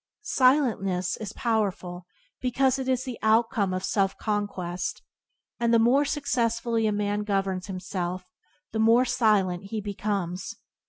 Silentness is powerful because it is the outcome of self conquest, and the more successfully a man governs himself the more silent he becomes.